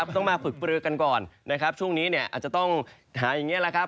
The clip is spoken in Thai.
ต้องมาฝึกปลือกันก่อนนะครับช่วงนี้อาจจะต้องหาอย่างนี้แหละครับ